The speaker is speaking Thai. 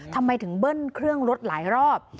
ทำไมถึงเบิ้ลเครื่องรถหลายรอบ